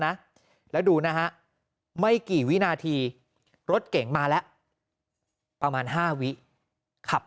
นะแล้วดูนะฮะไม่กี่วินาทีรถเก่งมาแล้วประมาณ๕วิขับ